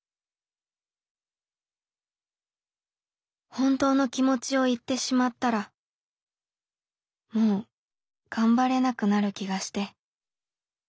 「ほんとうの気持ちを言ってしまったらもう頑張れなくなる気がして」。